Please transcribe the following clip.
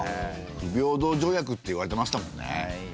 不平等条約っていわれてましたもんね。